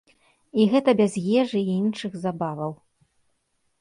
І гэта без ежы і іншых забаваў.